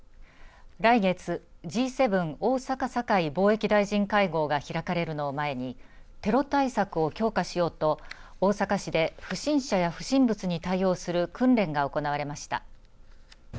来月、Ｇ７大坂・堺貿易大臣会合が開かれるのを前にテロ対策を強化しようと大阪市で不審者や不審物に対応する訓練が行われました。